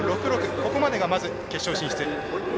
ここまでが、まず決勝進出。